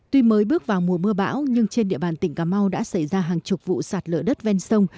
tuy mới bước vào mùa mưa bão nhưng trên địa bàn tỉnh cà mau đã xảy ra hàng chục vụ sạt lở đất ven sông